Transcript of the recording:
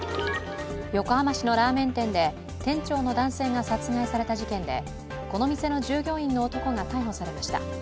横浜市のラーメン店で店長の男性が殺害された事件でこの店の従業員の男が逮捕されました。